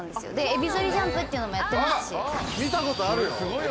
えび反りジャンプっていうのもやってますし。